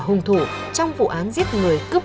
hùng thủ trong vụ án giết người cướp